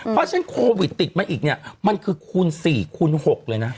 เพราะฉะนั้นโควิดติดมาอีกเนี่ยมันคือคูณ๔คูณ๖เลยนะ